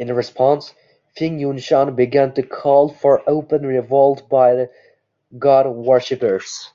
In response, Feng Yunshan began to call for open revolt by the God Worshippers.